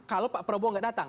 kalau pak prabowo nggak datang